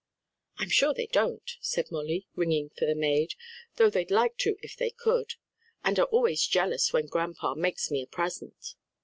"I'm sure they don't," said Molly, ringing for the maid, "though they'd like to if they could, and are always jealous when grandpa makes me a present."